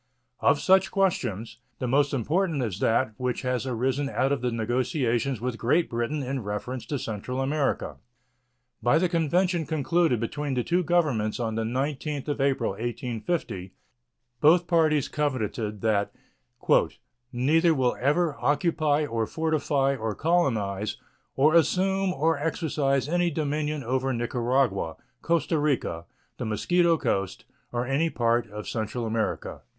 Of such questions, the most important is that which has arisen out of the negotiations with Great Britain in reference to Central America. By the convention concluded between the two Governments on the 19th of April, 1850, both parties covenanted that "neither will ever" "occupy, or fortify, or colonize, or assume or exercise any dominion over Nicaragua. Costa Rica, the Mosquito Coast, or any part of Central America."